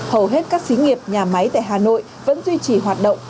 hầu hết các xí nghiệp nhà máy tại hà nội vẫn duy trì hoạt động